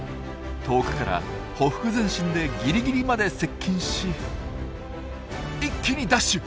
遠くからほふく前進でギリギリまで接近し一気にダッシュ！